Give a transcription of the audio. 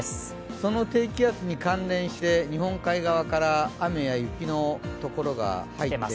その低気圧に関連して、日本海側から雨や雪のところが入ってきます。